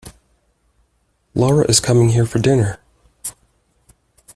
Lara is coming here for dinner.